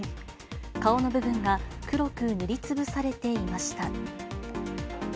顔の部分が黒く塗りつぶされていました。